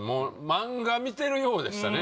漫画見てるようでしたね